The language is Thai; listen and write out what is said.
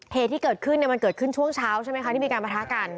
เหตุที่เกิดขึ้นมันเกิดขึ้นช่วงเช้าใช่ไหมคะที่มีการประทะกัน